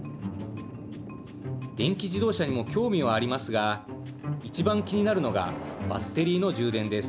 電気自動車にも興味はありますがいちばん気になるのがバッテリーの充電です。